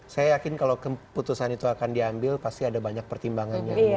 saya yakin kalau keputusan itu akan diambil pasti ada banyak pertimbangan yang mungkin jauh